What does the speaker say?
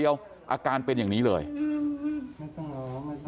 พี่สาวของเธอบอกว่ามันเกิดอะไรขึ้นกับพี่สาวของเธอ